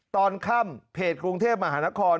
ตอนค่ำเพจกรุงเทพมหานคร